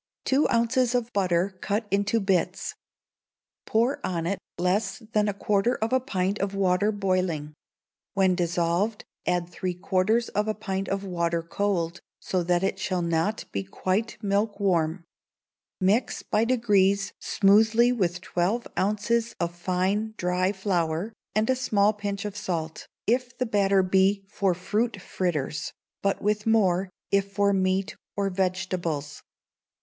Two ounces of butter cut into bits, pour on it less than a quarter of a pint of water boiling; when dissolved, add three quarters of a pint of water cold, so that it shall not be quite milk warm; mix by degrees smoothly with twelve ounces of fine dry flour and a small pinch of salt, if the batter be for fruit fritters, but with more if for meat or vegetables.